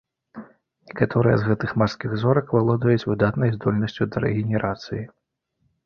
Некаторыя з гэтых марскіх зорак валодаюць выдатнай здольнасцю да рэгенерацыі.